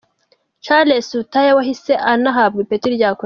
Charles Lutaya wahise anahabwa ipeti rya Colonel.